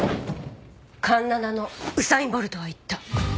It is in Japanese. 環七のウサイン・ボルトは言った。